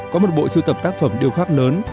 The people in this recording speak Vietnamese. có một bộ sưu tập tác phẩm điêu khắc lớn